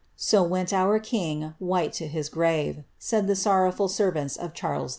^ So went our king white to his grave ? said the sorrow ing servants of Charles I."